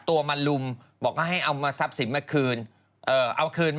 ว่ามั้ย